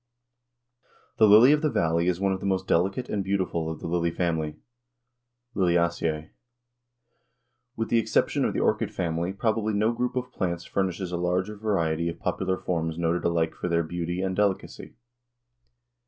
_ The lily of the valley is one of the most delicate and beautiful of the lily family (Liliaceæ). With the exception of the orchid family probably no group of plants furnishes a larger variety of popular forms noted alike for their beauty and delicacy.